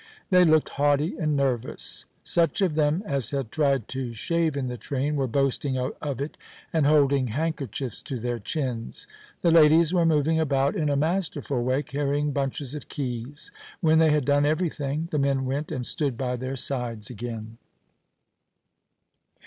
They looked haughty and nervous. Such of them as had tried to shave in the train were boasting of it and holding handkerchiefs to their chins. The ladies were moving about in a masterful way, carrying bunches of keys. When they had done everything, the men went and stood by their sides again.